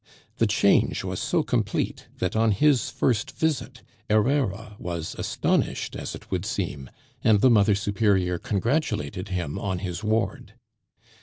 The change was so complete that on his first visit Herrera was astonished as it would seem and the Mother Superior congratulated him on his ward.